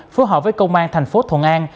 phối hợp với công an thành phố thuận an